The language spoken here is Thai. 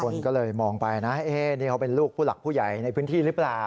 คนก็เลยมองไปนะนี่เขาเป็นลูกผู้หลักผู้ใหญ่ในพื้นที่หรือเปล่า